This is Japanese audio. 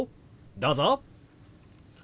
どうぞ！